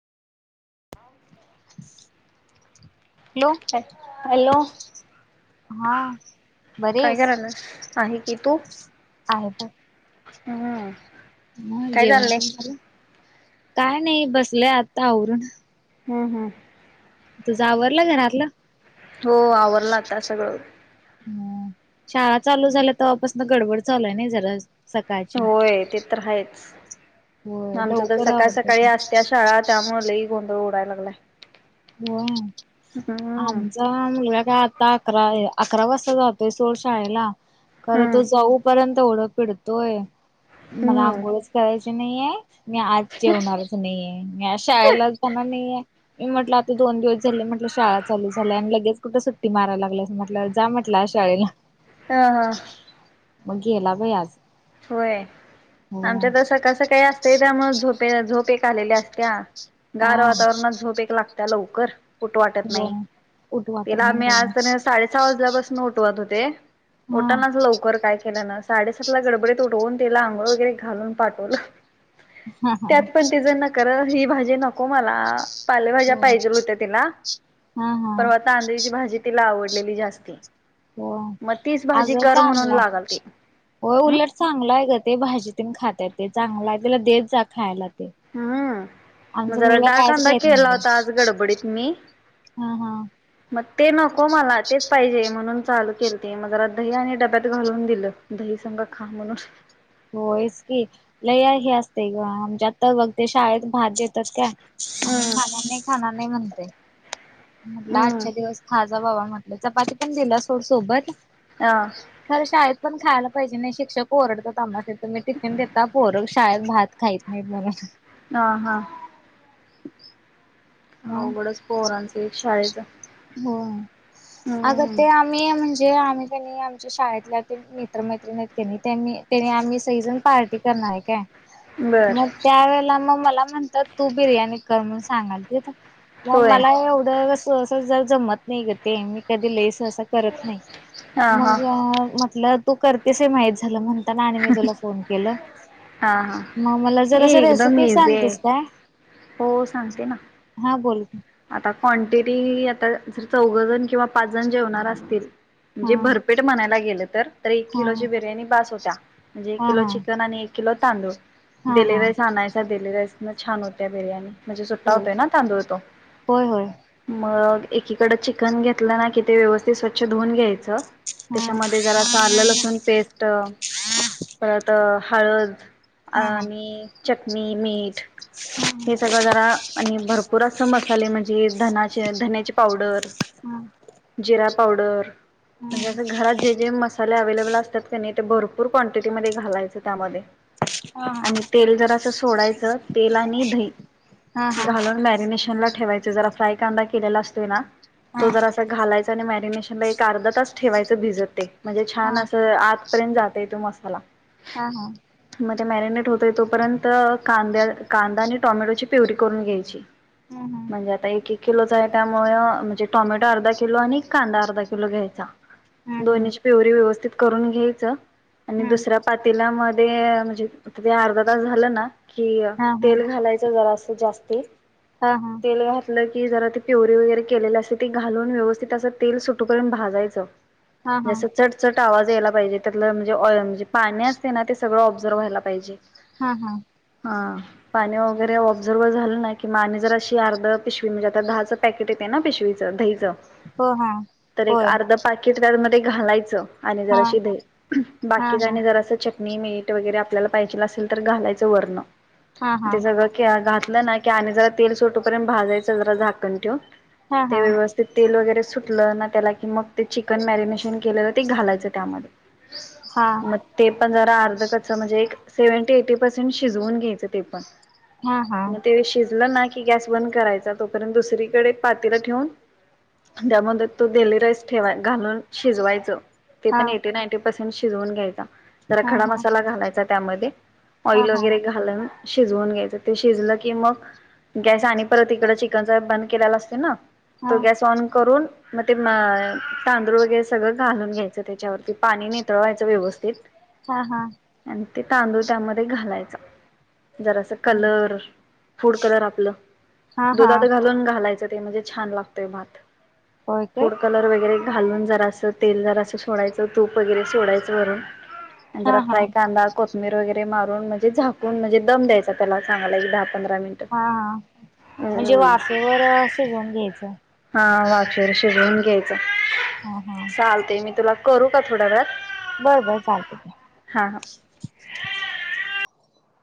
Hello हऽऽहॅलो,, हा काय करायल्यास,, आहे कि तू.. आहेेत.. हम्म.. म काय जेवण चाललंय तेन झालं,, काय नाही बसलंय आता आवरून.. हम्म, हम्म.. तुझ आवरला घरातलं. हो, आवरलं आता सगळं.. हम्म शाळा चालू झाल्या तव्हापासनं गडबड चालूआय नाही जराचऽऽ होय,, ते तर आहेच. होय आमचं तर लवकर सकाळ आवरतच सकाळी नाही असत्या शाळा त्यामुळं लय गोंधळ उडाय लागलाय.. होय,, हम्म आमचा मुलगा काय आ धा अकरा, अकरा वाजता जातोय सोड शाळेला खरं हम्म तो जाऊपर्यंत तेवढं पिडतोय मला हम्म आंघोळच करायची नाहीयेय. मी आज जेवणारच नाहीयेय, मी आज शाळेलाच जाणार नाहीयेय, मी म्हटलं दोन दिवस झाले म्हटलं शाळा चालू झाल्या आणि लगेच कुठं सुट्टी मारयला लागल्यास अस म्हटलं जा म्हटलं आज शाळेला.. हा हा. मग गेला बई आज.. होय,,, हो आमच्या तसं सकाळ सकाळी असतंय त्यामुळे झोपेऽऽ झोपेऽऽ आलेल्या असत्या,,, गार हा वातावरणात झोप एक लागत्या लवकर,,, ऊठू वाटत हो नाही.. उठू वाटत त्याला नाही आम्ही हो आज क नाय साडे सहा वाजल्यापासून उठवत होते.. हा ऊटनाच लवकर काय केलं नं, साडेसात ला गडबडीऽऽ उटवून त्याला आंघोळ वगैरे घालून पाठवलोऽऽ त्यात पण तिजं नखरं ही भाजी नको मला पालेभाज्या हो पाहिजेल होत्या तिला हा हा परवा तांदळीची भाजी तिला आवडलेली जास्ती. ‌ हो अगं चांगलंय लागालती होय हम्म उलट चांगलाय. ते भाजीतून खातेत ते चांगलय त्याला देत जा खायला. ते हम्म मग आमचा जरा मुलगा कायच डाळकांदा खाईत नाही केला ग होता आज गडबडीत मी हा हा मग ते नको मला तेच पाहिजे म्हणून चालू केलंती मग जरा दही आणि डब्यात घालून दिलं दही संगं खा म्हणून. होयच की लय हे असते ग आमच्या आता बघते शाळेत भाजीत त्यात काय हम्म मला नाही खाणार नाही म्हणतय, हम्म. आजच्या दिवस खा बाबा म्हटलं चपाती पण दिलं सोड सोबत हा खर शाळेत पण खायला पाहिजे नाही शिक्षक ओरडतात आम्हांस येत मी टिफिन देतता पोर शाळेत भात खाहीत नाही बोलत. हा हा. मग अवघडच पोहरांचं एक शाळेचं हो अग हम्म ते आम्ही म्हणजे जे आम्ही काणी त्यां आमच्या शाळेतल्या तिनं मित्र मैत्रिणतनी आम्ही सहिझन पार्टी कर हाय काय बर मग त्या वेळेला मग मला म्हणतात तू बिर्याणी कर म्हणून सांगालतीत मग होय मला एवढं सह सहज जर जमत नाही ग ते मी कधी लईस त करत नाही हा मग हा म्हटलं तू करतेस हे माहीत झालं म्हणून त्यांना आणि मी तुला फोन केलं. हा हा मग मला जर असं एकदम रेसिपी इझी आहे सांगतेस काय हो सांगते ना. हा बोल. आता क्वांटिटी आता ज चौघजण किंवा पाच जण जेवणार असतील म्हणजे हा भरपेट म्हणायला गेलं तर तर एक हा किलोची बिर्याणी बास होत्या म्हणजे एक हा किलो चिकन आणि एक किलो तांदूळ हा हा डिले हा राईस आणायचा डिले राईस न छान होत्या बिर्याणी. म्हणजे सुट्टा होय होतोय ना तांदूळ तो. होय होय. मग एकीकड चिकन घेतलं ना कि ते व्यवस्थित स्वच्छ धुऊून घ्यायचं हा त्याच्यामध्ये जरासं आलं लसूण पेस्ट परत हळद हा हा आणि चटनी, मीठ हे सगळं जरा आणि भरपूर असं मस्त मसाले म्हणजे धनाचे धन्याची पावडर, हा हा जिरा पावडर म्हणजे असं घरात जे जे मस मसाले अवेलेबल असतात काणी ते भरपूर क्वांटिटी मध्ये घालायच त्यामध्ये आणि तेल जरासं सोडायचं तेल आणि दही. हा हा हा हा हा घालून मॅरिनेशन ला ठेवायच, जरा फ्राय कांदा केलेला असतोय ना हा हा तो जरासा घालायचा आणि मॅरिनेशनला एक अर्धा तास ठेवायच भिजत ते म्हणजे छान अस आत पर्यंत जातय तो मसाला. हा, हा. मग मॅरिनेट होतय तोपर्यंत कांद्या कांदा आणि टोमॅटोची प्युरी करून घ्यायची. ह ह. म्हणजे आता एक-एक किलोच आहे, त्यामुळे म्हणजे टॉमॅटो अर्धा किलो आणि कांदा अर्धा किलो घ्यायचा हा दोन्हीची प्युरी व्यवस्थित करून घ्यायचं आणि हा दुसऱ्या पातीलामध्ये म्हणजे ते अर्धा तास झालं ना कि हा हा तेल घालायचं जरासं जास्ती हा हा तेल घातलं की जरा ती प्युरी वगैरे केलेली असते ते घालून व्यवस्थित असं तेल सुटू पर्यंत भाजायचं हा हा जस चटचट आवाज यायला त्यातलं म्हणजे पाणी असते, ना ते सगळं ऑब्झर व्हायला पाहिजे. हा हा हा. पाणी वगैरे ऑब्झर झालं ना की मग आणि जरा अर्ध पिशवी म्हणजे आता दहा चं पकेट येते ना, पिशवीचं दहीचं. हो हा तर एक होय अर्ध पाकिट त्यामध्ये घालायचं. आणि हा जराशी दही, हा हा बाकीच्यांनी जरास चट नी, मीठ वगैरे आपल्याला पाहिजे असेल, तर घालायचं वरूनं, हा हा ते सगळं - घातल ना आणि जरा तेल सोटूपर्यंत भाजायच जरा झाकण ठेवून हा हा ते हा व्यवस्थित तेल वगैरे सुटलं ना, त्याला की मग ते चिकन मॅरिनेशन केलेलं ते घालायचं त्यामध्ये हा मग ते पण जरा अर्धकच्चं म्हणजे एक सेवेंटी ऐटी पर्सेंट शिजवून घ्यायायचं ते पण, हा हा हा शिजल ना की गॅस बंद करायचा. तोपर्यंत दुसरीकडे पातेलं ठेवून त्यामध्ये तो डेली राईस ठेवायचा घालून शिजवायचा. ते पण हा एटी-नाईंटी पर्सेंट शिजवून घ्यायचा. जरा हा खडा मसाला हा घालायचा त्यामध्ये, हा ऑइल वगैरे घालायचं. शिजवून घ्यायचं. ते शिजलं की मग गॅस आणि परत मग इकडे चिकन बंद केलेलं असतं ना? तो गॅस ऑन करून. मग ते मा तांदूळ वगैरे सगळं घालून घ्यायचं त्याच्यावरती पाणी निथळवायचं व्यवस्थित. हा हा. आणि ते तांदूळ त्यामध्ये घालायच, जरा असं कलर, फूड कलर आपला ते हा हा हा दुधात घालून घालायचं ते म्हणजे छान लागतय भात होय काय फूड कलर वगैर घालून जरा असं तेल जरास, सोडायच तूप वगैरे सोडायचं वरून. आणि हा जरा हा फ्राय कांदा, कोथिंबीर वगैरे मारून, म्हणजे झाकून दम द्यायचा त्याला चांगला एक दहा पंधरा मिनिटं. हा हा म्हणजे अम्म, वाफेवर शिजवून घ्यायचं हा वाचूर शिजवून घ्यायचा. हा हा. चालते मी तुला करू का थोड्या वेळात? बरं बरं चालतय हा हा चालतय.